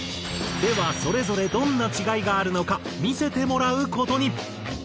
ではそれぞれどんな違いがあるのか見せてもらう事に！